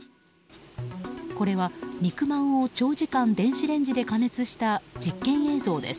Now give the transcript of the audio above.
これは、肉まんを長時間電子レンジで加熱した実験映像です。